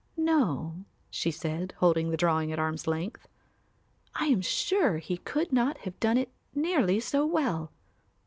No," she said, holding the drawing at arm's length, "I am sure he could not have done it nearly so well."